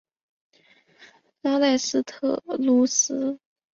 拉代斯特鲁斯。